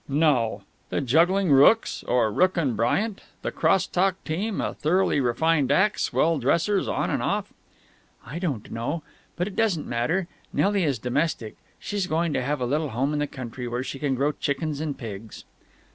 "No! The Juggling Rookes? Or Rooke and Bryant, the cross talk team, a thoroughly refined act, swell dressers on and off?" "I don't know. But it doesn't matter. Nelly is domestic. She's going to have a little home in the country, where she can grow chickens and pigs."